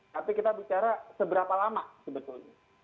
tapi kita bicara seberapa lama sebetulnya